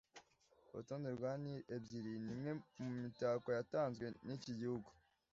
Urutonde rwa Nili ebyiri nimwe mumitako yatanzwe niki gihugu